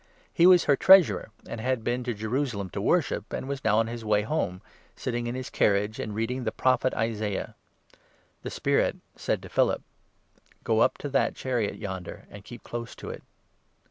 He was her Treasurer, and had been to Jerusalem to worship, and was now on his way home, sitting 28 in his carriage and reading the Prophet Isaiah. The Spirit 29 said to Philip :" Go up to the carriage yonder and keep close to it."